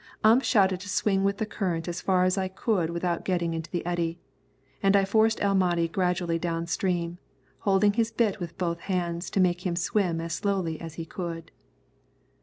Ump shouted to swing with the current as far as I could without getting into the eddy, and I forced El Mahdi gradually down stream, holding his bit with both hands to make him swim as slow as he could.